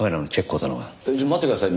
えっちょっ待ってください。